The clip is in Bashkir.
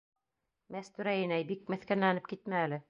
Мәстүрә инәй, бик меҫкенләнеп китмә әле!